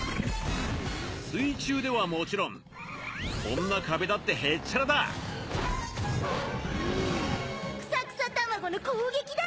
水中ではもちろんこんな壁だってへっちゃらだクサクサ卵の攻撃だ！